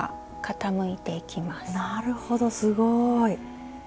なるほどすごい。